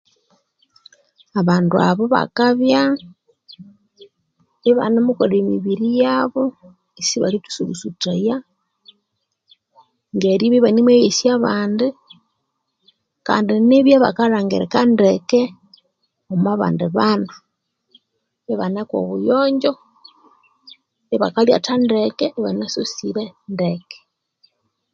Abandu abo bakabya ibanemukolha emibiri yabo isibalithusulhusuthaya ngeribya ibanemweghesya abandi kandi nibya bakalhangirika ndeke omu bandi bandu ibaneku obuyonjjo ibakalyatha ndeke ibanasosire ndeke